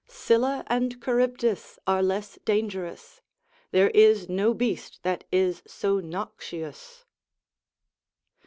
Scylla and Charybdis are less dangerous, There is no beast that is so noxious.